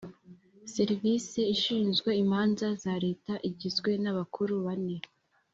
Serivisi ishinzwe imanza za Leta igizwe n’abakuru bane